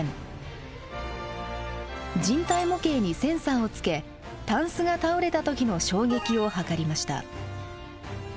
人体模型にセンサーをつけタンスが倒れた時の衝撃を測りました。